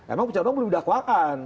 emang pencucian uang belum didakwakan